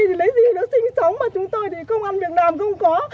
thì lấy gì nó sinh sống mà chúng tôi thì không ăn việt nam không có